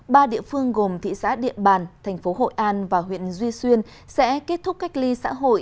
ba địa phương gồm thị xã điện bàn thành phố hội an và huyện duy xuyên sẽ kết thúc cách ly xã hội